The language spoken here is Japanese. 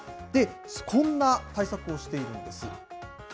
こんな対策をしているんです。